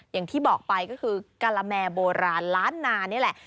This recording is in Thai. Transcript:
อย่างที่บอกไปก็คือกะละแมโบราณล้านนานี่แหละ